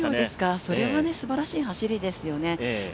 ５秒ですか、それはすばらしい走りですよね。